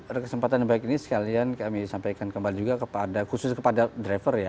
ada kesempatan yang baik ini sekalian kami sampaikan kembali juga khusus kepada driver ya